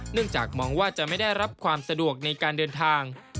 จากมองว่าจะไม่ได้รับความสะดวกในการเดินทาง